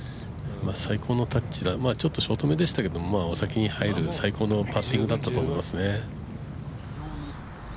最高のタッチ、ちょっとショート目でしたけど最高のパッティングだったと思いますね。